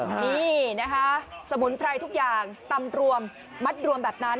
นี่นะคะสมุนไพรทุกอย่างตำรวมมัดรวมแบบนั้น